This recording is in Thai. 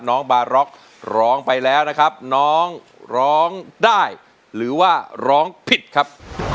น้องบาร็อกร้องไปแล้วนะครับน้องร้องได้หรือว่าร้องผิดครับ